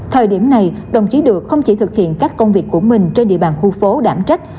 thời điểm này đồng chí được không chỉ thực hiện các công việc của mình trên địa bàn khu phố đảm trách